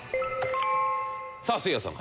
さあせいやさん。